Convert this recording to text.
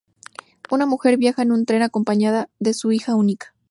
Una mujer viaja en un tren acompañada de su única hija.